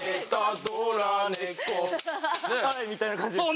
みたいな感じですか。